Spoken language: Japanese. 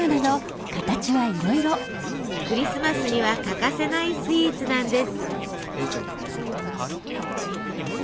クリスマスには欠かせないスイーツなんです。